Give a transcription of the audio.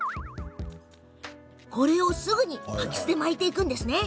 これをすぐに巻きすで巻いていくんだね。